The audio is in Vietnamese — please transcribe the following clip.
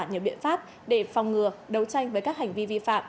nhiều biện pháp để phòng ngừa đấu tranh với các hành vi vi phạm